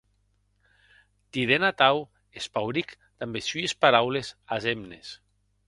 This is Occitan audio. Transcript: Dident atau, espauric damb es sues paraules as hemnes.